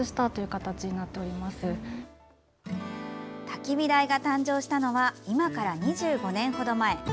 たき火台が誕生したのは今から２５年程前。